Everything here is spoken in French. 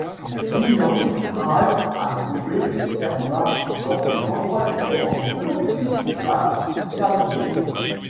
Nyang Ral a trouvé des Terma dans des endroits différents, y compris à Samyé.